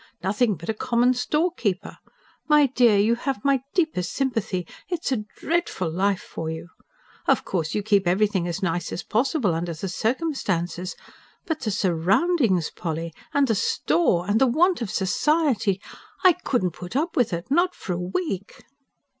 Nothing but a common storekeeper. My dear, you have my deepest sympathy. It's a DREADFUL life for you. Of course you keep everything as nice as possible, under the circumstances. But the surroundings, Polly! ... and the store ... and the want of society. I couldn't put up with it, not for a week!"